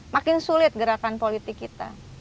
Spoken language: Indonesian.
makin sulit gerakan politik kita